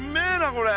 これ！